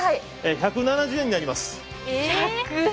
１７０円になります。